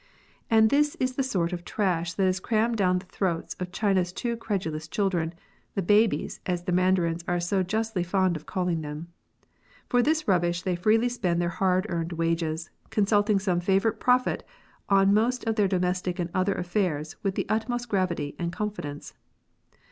And this is the sort of trash that is crammed down the throats of China's too credulous children — the *' babies," as the Mandarins are so justly fond of call ing them. For this rubbish they freely spend their hard earned wages, consulting some favourite prophet on most of their domestic and other affairs with the utmost gravity and confidence.